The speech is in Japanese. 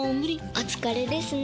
お疲れですね。